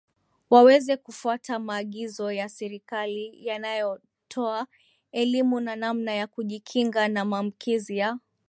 waweze kufuata maagizo ya Serikali yanayotoa elimu ya namna ya kujikinga na maambukizi ya